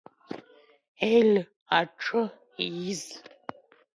Ель аҿы ииз…